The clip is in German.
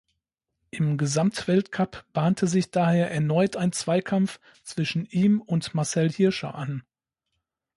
Im Gesamtweltcup bahnte sich daher erneut ein Zweikampf zwischen ihm und Marcel Hirscher an.